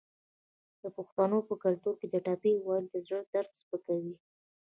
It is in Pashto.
د پښتنو په کلتور کې د ټپې ویل د زړه درد سپکوي.